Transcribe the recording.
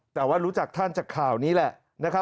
แต่ว่ารู้จักท่านจากข่าวนี้แหละนะครับ